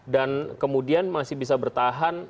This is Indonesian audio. dan kemudian masih bisa bertahan